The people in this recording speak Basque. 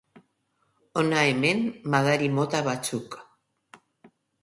Hona hemen madari mota batzuk.